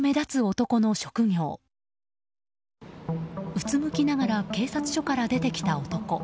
うつむきながら警察署から出てきた男。